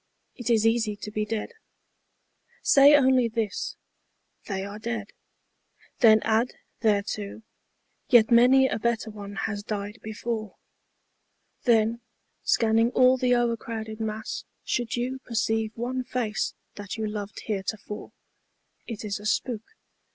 It is easy to be dead. Say only this, " They are dead." Then add thereto, " Yet many a better one has died before." Then, scanning all the o'ercrowded mass, should you Perceive one face that you loved heretofore, It is a spook.